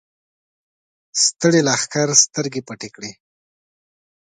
ستړي لښکر سترګې پټې کړې.